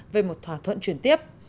về một thỏa thuận chuyển tiếp